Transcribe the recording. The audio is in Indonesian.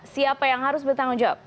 siapa yang harus bertanggung jawab